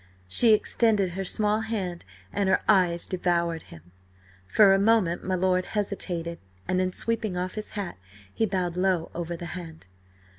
She extended her small hand, and her eyes devoured him. For a moment my lord hesitated, and then, sweeping off his hat, he bowed low over the hand.